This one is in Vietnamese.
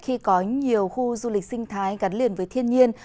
khi có nhiều khu du lịch sinh thái gắn liền với thiên nhiên